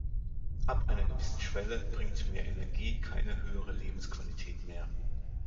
Ab einer gewissen Schwelle bringt mehr Energie keine höhere Lebensqualität mehr.